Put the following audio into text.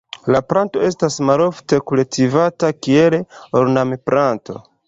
La planto estas malofte kultivata kiel ornamplanto.